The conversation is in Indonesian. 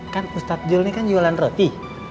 kan ustadz jul ini kan jualan roti